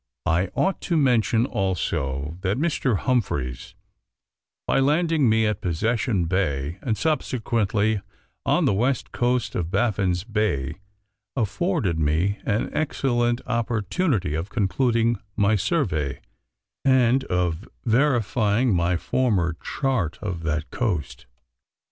I ought to mention also that Mr. Humphreys, by landing me at Possession Bay, and subsequently on the west coast of Baffin's Bay, afforded me an excellent opportunity of concluding my survey, and of verifying my former chart of that coast.